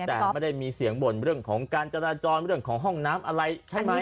แต่ไม่ได้มีเสียงบ่นเรื่องของการจราจรเรื่องของห้องน้ำอะไรใช่ไหม